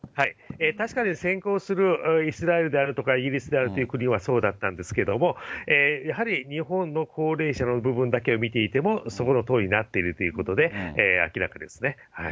確かに先行するイスラエルであるとか、イギリスであるという国はそうだったんですけども、やはり日本の高齢者の部分だけを見ていても、そのとおりになっているということで明らかですね。